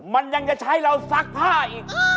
มันยังจะใช้เราซักผ้าอีก